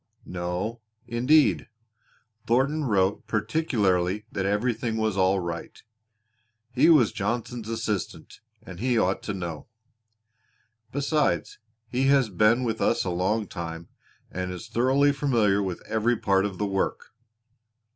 "No, indeed! Thornton wrote particularly that everything was all right. He was Johnson's assistant, and he ought to know. Besides, he has been with us a long time, and is thoroughly familiar with every part of the work."